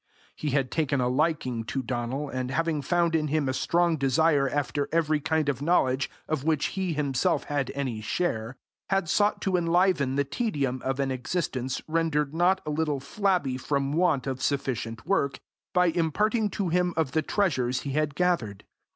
He had taken a liking to Donal, and having found in him a strong desire after every kind of knowledge of which he himself had any share, had sought to enliven the tedium of an existence rendered not a little flabby from want of sufficient work, by imparting to him of the treasures he had gathered.